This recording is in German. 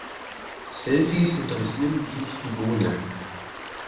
Selfies interessieren mich nicht die Bohne.